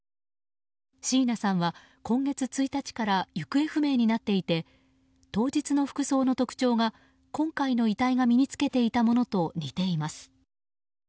椎名さんは今月１日から行方不明になっていて当日の服装の特徴が今回の遺体が身に着けていたものと似ています。